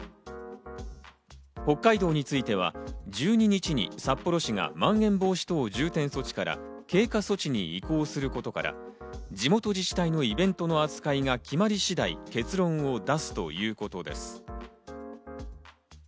北海道については１２日に札幌市がまん延防止等重点措置から経過措置に移行することから、地元自治体のイベントの扱いが決まり次第、結論を出すということです。